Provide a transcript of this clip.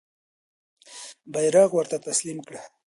بیرغ ورته تسلیم کړه.